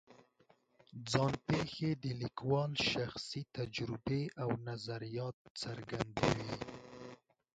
ځان پېښې د لیکوال شخصي تجربې او نظریات څرګندوي.